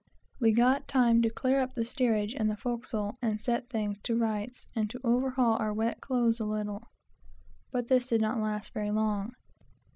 We got time to clear up the steerage and forecastle, and set things to rights, and to overhaul our wet clothes a little. But this did not last very long.